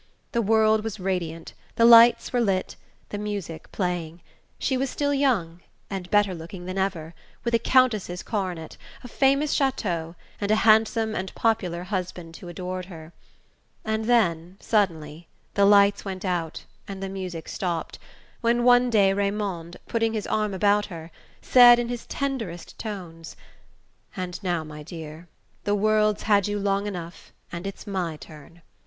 The world was radiant, the lights were lit, the music playing; she was still young, and better looking than ever, with a Countess's coronet, a famous chateau and a handsome and popular husband who adored her. And then suddenly the lights went out and the music stopped when one day Raymond, putting his arm about her, said in his tenderest tones: "And now, my dear, the world's had you long enough and it's my turn.